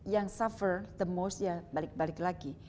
yang suaranya paling banyak ya balik balik lagi